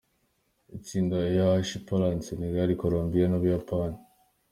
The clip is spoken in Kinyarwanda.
Itsinga H: Poland, Senegal, Colombia, Japan.